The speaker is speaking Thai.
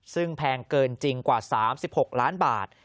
ซึ่งแพงเกินจริงกว่า๓๖ล้านบาท